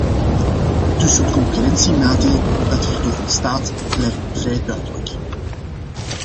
Dus het concurrentienadeel dat hierdoor ontstaat lijkt mij vrij duidelijk.